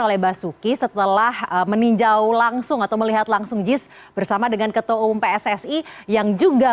oleh basuki setelah meninjau langsung atau melihat langsung jis bersama dengan ketua umum pssi yang juga